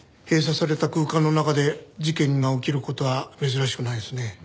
閉鎖された空間の中で事件が起きる事は珍しくないですね。